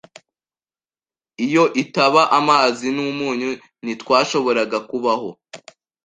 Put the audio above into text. Iyo itaba amazi n'umunyu, ntitwashoboraga kubaho.